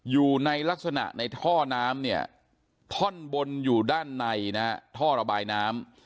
อยู่ในลักษณะในท่อน้ำเนี่ยท่อนบนอยู่ด้านในนะฮะท่อระบายน้ำ